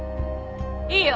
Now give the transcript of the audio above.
いいよ